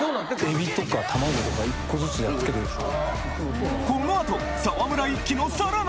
エビとか玉子とか１個ずつやっつけていくでしょ。